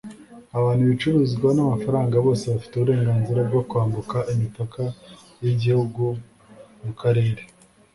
Abantu ibicuruzwa namafaranga bose bafite uburenganzira bwo kwambuka imipaka yigihugu mukarere